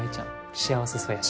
幸せそうやし。